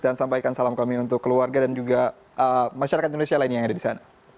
dan sampaikan salam kami untuk keluarga dan juga masyarakat indonesia lainnya yang ada di sana